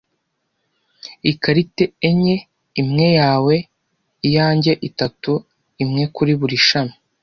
"Ikarita enye, imwe yawe, iyanjye itatu, imwe kuri buri shami